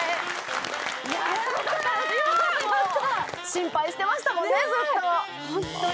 心配してましたもんねずっと。